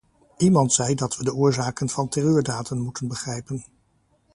Iemand zei dat we de oorzaken van terreurdaden moeten begrijpen.